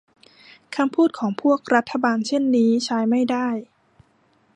คำพูดของพวกรัฐบาลเช่นนี้ใช้ไม่ได้